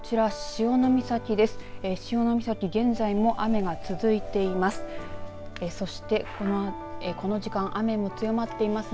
潮岬、現在も雨が続いています。